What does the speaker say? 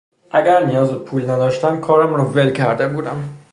اگر نیاز به پول نداشتم کارم را ول کرده بودم.